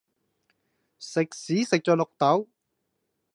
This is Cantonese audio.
食屎食著綠豆